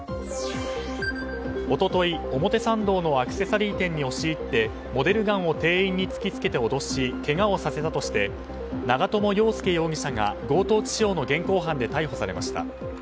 一昨日、表参道のアクセサリー店に押し入ってモデルガンを店員に突きつけて脅しけがをさせたとして長友容維容疑者が強盗致傷の現行犯で逮捕されました。